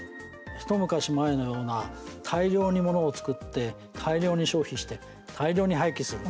一昔前のような大量に物を作って大量に消費して、大量に廃棄する。